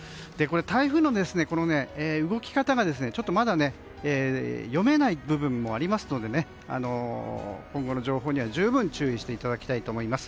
台風の動き方がまだ読めない部分もありますので今後の情報には十分注意していただきたいと思います。